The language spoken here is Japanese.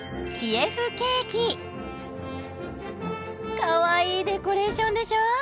かわいいデコレーションでしょう！